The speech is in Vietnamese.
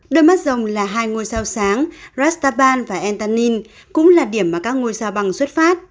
đôi mắt rồng là hai ngôi sao sáng rastaban và eltain cũng là điểm mà các ngôi sao băng xuất phát